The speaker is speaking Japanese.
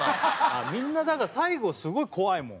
みんなだから最後すごい怖いもん。